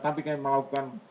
tapi kami melakukan